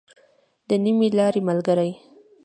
د نيمې لارې ملګری.